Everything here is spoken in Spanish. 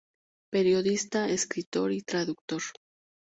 Periodista, escritor y traductor.